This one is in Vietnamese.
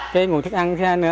cái nguồn thức ăn